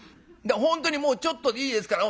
本当にもうちょっとでいいですから。